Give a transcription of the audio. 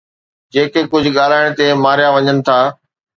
جيڪي ڪجهه ڳالهائڻ تي ماريا وڃن ٿا